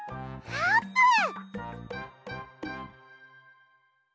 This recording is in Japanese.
あーぷん！